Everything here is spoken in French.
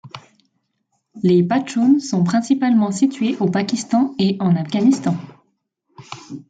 Les Pachtounes sont principalement situés au Pakistan et en Afghanistan.